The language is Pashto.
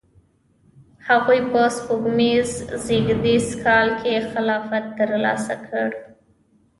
هغوی په سپوږمیز زیږدیز کال کې خلافت ترلاسه کړ.